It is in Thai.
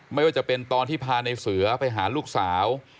ไม่ว่าจะเป็นตอนที่พาในเสือไปหาลูกสาว